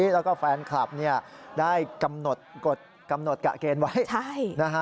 แล้วก็แฟนคลับได้กำหนดกะเกณฑ์ไว้